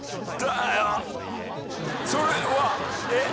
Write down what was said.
いやそれはえっ？